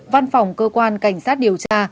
văn phòng cơ quan cảnh sát điều tra